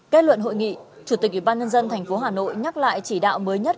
kết luận hội nghị chủ tịch ủy ban nhân dân tp hà nội nhắc lại chỉ đạo mới nhất